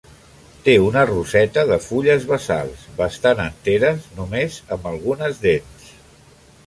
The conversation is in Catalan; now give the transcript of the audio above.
Té una roseta de fulles bassals, bastant enteres, només amb algunes dents.